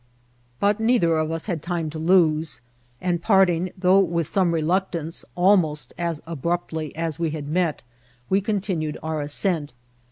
But neither of us had time to lose; and parting, though with some reluctance, almost as abruptly as we had met, we continued our ascent.